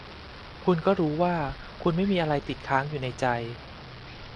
คุณก็รู้ว่า คุณไม่มีอะไรติดค้างอยู๋ในใจ